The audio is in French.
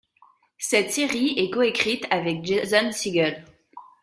Cette série est coécrite avec Jason Segel.